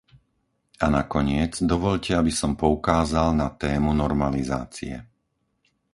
A nakoniec, dovoľte aby som poukázal na tému normalizácie.